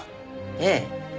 ええ。